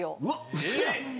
ウソや！